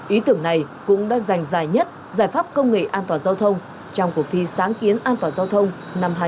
ý tưởng này cũng đã giành dài nhất giải pháp công nghệ an toàn giao thông trong cuộc thi sáng kiến an toàn giao thông năm hai nghìn hai mươi ba